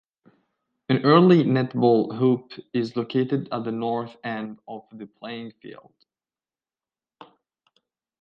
An early netball hoop is located at the north end of the playing field.